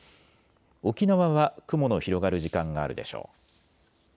沖縄は雲の広がる時間があるでしょう。